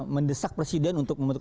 mendesak presiden untuk membentuk